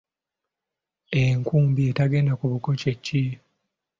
Enkumbi etagenda ku buko kye ki?